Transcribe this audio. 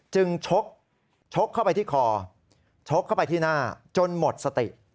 ชกเข้าไปที่คอชกเข้าไปที่หน้าจนหมดสติ